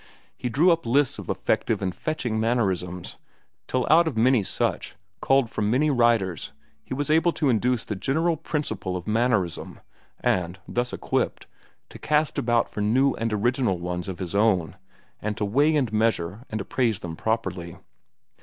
He drew up lists of effective and fetching mannerisms, till out of many such, culled from many writers, he was able to induce the general principle of mannerism, and, thus equipped, to cast about for new and original ones of his own, and to weigh and measure and appraise them properly.